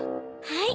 はい。